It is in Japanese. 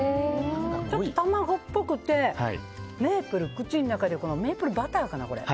卵っぽくてメープル、口の中でメープルバターかな、これ。